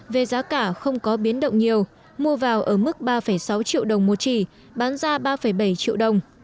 về giá cả không có biến động nhiều mua vào ở mức ba sáu triệu đồng một chỉ bán ra ba bảy triệu đồng